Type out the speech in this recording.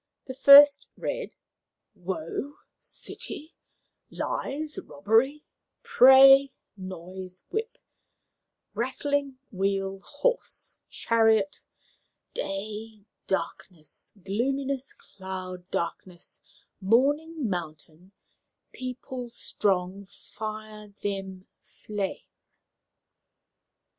The first read: "Woe city lies robbery prey noise whip rattling wheel horse chariot day darkness gloominess cloud darkness morning mountain people strong fire them flame."